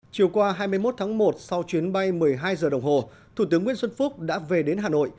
chiều qua hai mươi một tháng một sau chuyến bay một mươi hai giờ đồng hồ thủ tướng nguyễn xuân phúc đã về đến hà nội